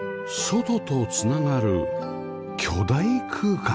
外と繋がる巨大空間